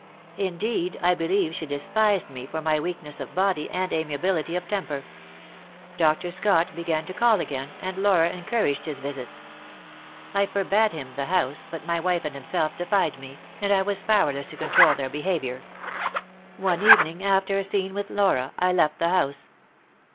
Indeed, I believe she despised me for my weakness of body and amiability of temper. Dr. Scott began to call again, and Laura encouraged his visits. I forbade him the house, but my wife and himself defied me, and I was powerless to control their behaviour. One evening, after a scene with Laura, I left the house.